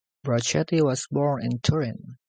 Brachetti was born in Turin.